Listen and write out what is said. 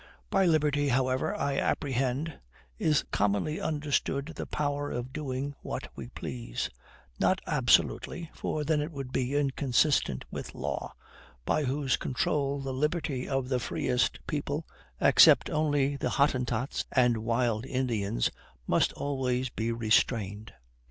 By liberty, however, I apprehend, is commonly understood the power of doing what we please; not absolutely, for then it would be inconsistent with law, by whose control the liberty of the freest people, except only the Hottentots and wild Indians, must always be restrained.